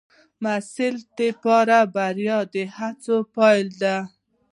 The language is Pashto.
د محصل لپاره بریا د هڅو پایله ده.